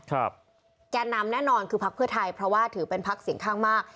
แกนนำแน่นอนคือพักเพื่อไทยเพราะว่าถือเป็นพักเสียงข้างมาก